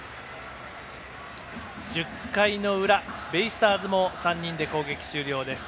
１０回の裏、ベイスターズも３人で攻撃終了です。